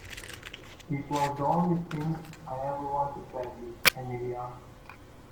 It was the only thing I ever wanted badly, Emilia.